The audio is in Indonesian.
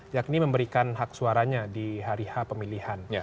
yakni memberikan hak suaranya di hari h pemilihan